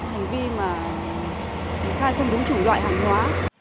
hành vi mà khai không đúng chủng loại hàng hóa